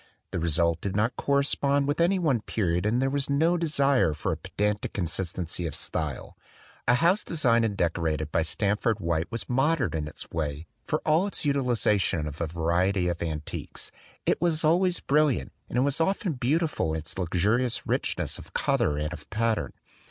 The result did not correspond with any one period and there was no desire for pe dantic consistency of style. A house designed and decorated by Stanford White was modern 50 THE DWELLING OF A DAY DREAM in its way, for all its utilization of a variety of antiques. It was always brilliant; and it was often beautiful in its luxurious richness of color and of pattern.